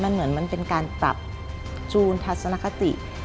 มันเหมือนมันเป็นการปรับจูนทัศนคติ